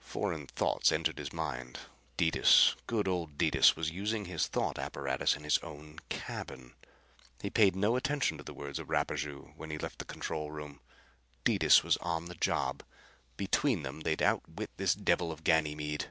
Foreign thoughts entered his mind. Detis, good old Detis, was using his thought apparatus in his own cabin! He paid no attention to the words of Rapaju when he left the control room. Detis was on the job! Between them they'd outwit this devil of Ganymede.